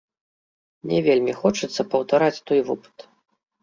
Не вельмі хочацца паўтараць той вопыт.